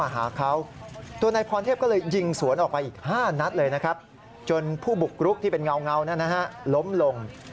โหนที่เป็นเงานั่นล้มลง